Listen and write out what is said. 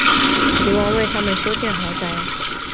齐王为他们修建豪宅。